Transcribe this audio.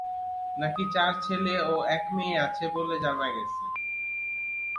নাকি চার ছেলে ও এক মেয়ে আছে বলে জানা গেছে।